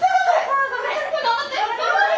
頑張れ！